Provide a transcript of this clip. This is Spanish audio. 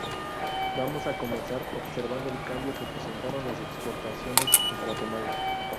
Vamos a comenzar observando el cambio que presentaron las exportaciones en Guatemala.